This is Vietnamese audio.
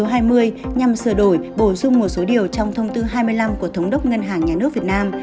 nhằm sửa đổi bổ sung một số điều trong thông tư hai mươi năm của thống đốc ngân hàng nhà nước việt nam